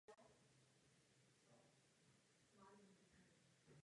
V žádném jiném odvětví neexistuje podobné nařízení.